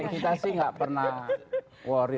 kita sih nggak pernah worry